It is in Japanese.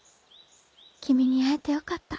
君に会えてよかった